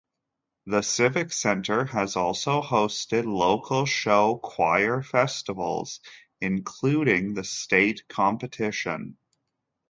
The Civic Center has also hosted local show choir festivals, including the state competition.